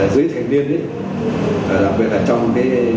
dưới thành viên đặc biệt là trong học sinh sinh viên các trường học